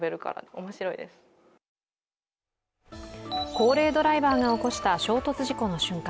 高齢ドライバーが起こした衝突事故の瞬間。